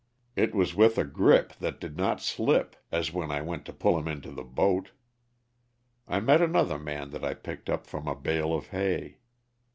It was v/ith a grip that did not slip as when I went to pull him into the boat. I met another man that I picked up from a bale of hay.